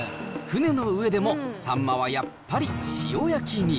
船の上でもサンマはやっぱり塩焼きに。